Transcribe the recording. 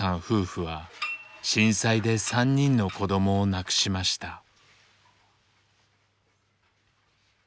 夫婦は震災で３人の子どもを亡くしました。